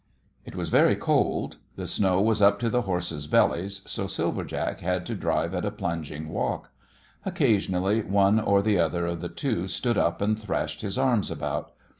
It was very cold. The snow was up to the horses' bellies, so Silver Jack had to drive at a plunging walk. Occasionally one or the other of the two stood up and thrashed his arms about.